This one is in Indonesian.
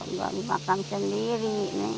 tidak dimakan sendiri